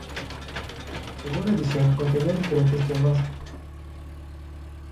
Según la edición, contenía diferentes temas.